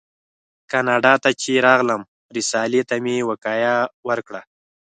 کاناډا ته چې راغلم رسالې ته مې وقایه ورکړه.